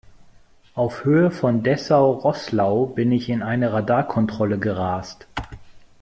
Auf Höhe von Dessau-Roßlau bin ich in eine Radarkontrolle gerast.